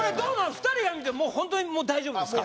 ２人が見てホントに大丈夫ですか？